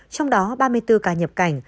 trong đó ba mươi bốn ca nhiễm mới